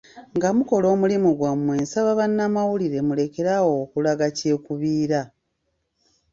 Nga mukola omulimu gwammwe nsaba bannamawulire mulekerawo okulaga kyekubiira .